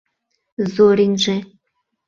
Зоринже.